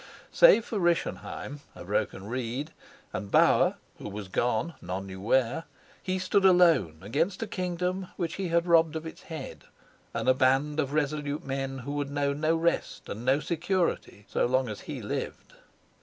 Save for Rischenheim, a broken reed, and Bauer, who was gone, none knew where, he stood alone against a kingdom which he had robbed of its head, and a band of resolute men who would know no rest and no security so long as he lived.